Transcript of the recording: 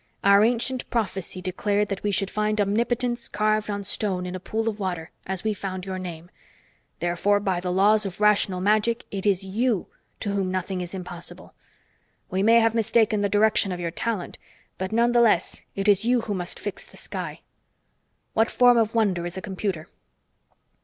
Our ancient prophecy declared that we should find omnipotence carved on stone in a pool of water, as we found your name. Therefore, by the laws of rational magic, it is you to whom nothing is impossible. We may have mistaken the direction of your talent, but nonetheless it is you who must fix the sky. What form of wonder is a computer?"